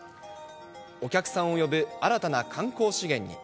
お客さんを呼ぶ新たな観光資源に。